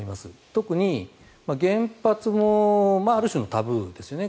特に原発もある種のタブーですよね。